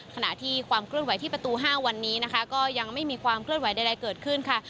ขณะที่ความเคลื่อนไหวที่ประตู๕วันนี้นะคะก็ยังไม่มีความเคลื่อนไหวใดเกิดขึ้นค่ะ